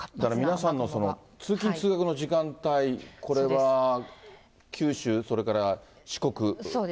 皆さんの通勤・通学の時間帯、これは九州、それから四国。